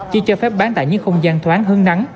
chỉ cho phép bán tại những không gian thoáng hứng nắng